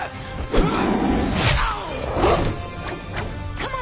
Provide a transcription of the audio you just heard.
うわっ！